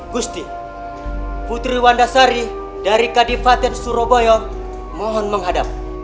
gusti putri wanda sari dari kadifaten surabaya mohon menghadap